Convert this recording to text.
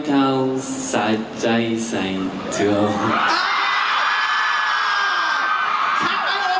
ห้องใช้ใจใส่เทือง